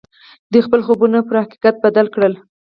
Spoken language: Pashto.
دوی خپل خوبونه پر حقيقت بدل کړل.